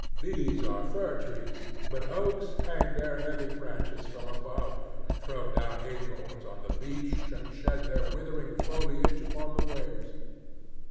These are fir trees, but oaks hang their heavy branches from above, and throw down acorns on the beach, and shed their withering foliage upon the waves.